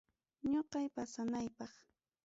Ñoqay pasanaypaq.